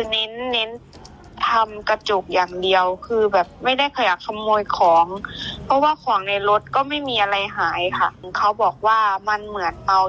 มันก็จอดรถแล้วมันก็เสี้ยงรองเท้าลุงเขาก็คิดว่าไม่มีอะไร